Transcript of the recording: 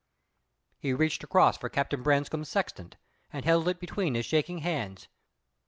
He reached across for Captain Branscome's sextant, and held it between his shaking hands.